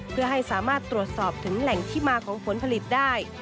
เพื่อให้สามารถตรวจสอบถึงแหล่งที่มาของผลผลิตได้